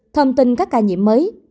thông tin các ca nhiễm mới